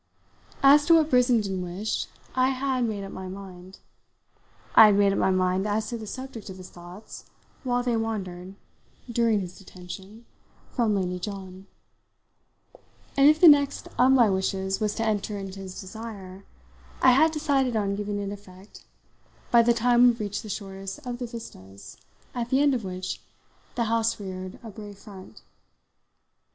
As to what Brissenden wished I had made up my mind; I had made up my mind as to the subject of his thoughts while they wandered, during his detention, from Lady John; and if the next of my wishes was to enter into his desire, I had decided on giving it effect by the time we reached the shortest of the vistas at the end of which the house reared a brave front.